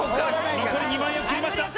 残り２万円を切りました。